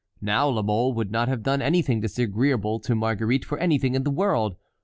Now La Mole would not have done anything disagreeable to Marguerite for anything in the world.